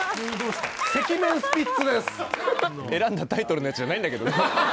選んだタイトルのやつじゃないんだけどね。